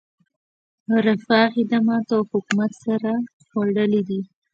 رفاه، خدماتو او حکومت سر خوړلی دی.